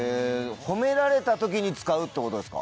褒められた時に使うってことですか？